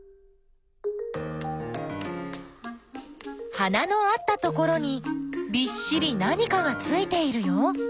花のあったところにびっしり何かがついているよ。